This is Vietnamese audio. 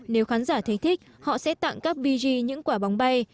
nếu khán giả thấy thích họ sẽ tặng các bg những quả bóng bay